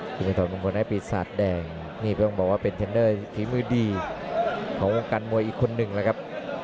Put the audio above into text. คุณไก่นาวอเรียร์มวยไทยครับ